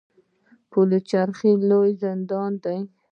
پل چرخي لوی زندان دی